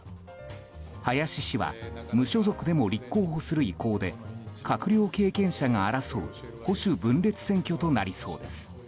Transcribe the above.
林氏は無所属でも立候補する意向で閣僚経験者が争う保守分裂選挙となりそうです。